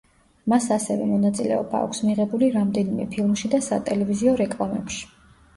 მას ასევე მონაწილეობა აქვს მიღებული რამდენიმე ფილმში და სატელევიზიო რეკლამებში.